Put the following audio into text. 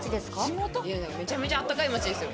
めちゃめちゃ、あったかい街ですよ。